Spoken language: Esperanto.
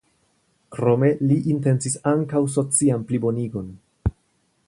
Krome li intencis ankaŭ socian plibonigon.